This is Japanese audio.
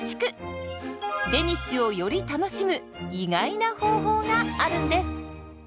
デニッシュをより楽しむ意外な方法があるんです。